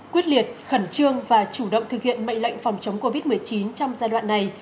quyết liệt khẩn trương và chủ động thực hiện mệnh lệnh phòng chống covid một mươi chín trong giai đoạn này